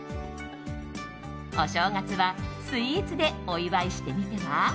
お正月はスイーツでお祝いしてみては？